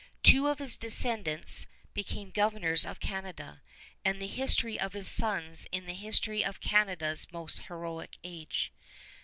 Two of his descendants became governors of Canada; and the history of his sons is the history of Canada's most heroic age.